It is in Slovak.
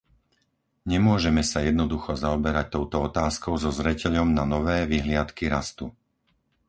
Nemôžeme sa jednoducho zaoberať touto otázkou so zreteľom na nové vyhliadky rastu.